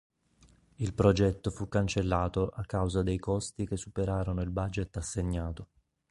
Il progetto fu cancellato a causa dei costi che superarono il budget assegnato.